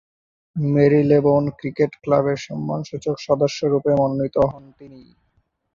Marylebone cricket ক্লাবের সম্মানসূচক সদস্যরূপে মনোনীত হন তিনি।